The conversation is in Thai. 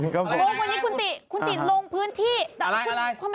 คุณติสวัสดีค่ะ